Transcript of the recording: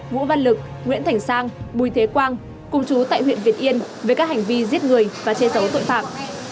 vũ văn lực nguyễn thảnh sang bùi thế quang cùng chú tại huyện việt yên với các hành vi giết người và chê giấu tội phạm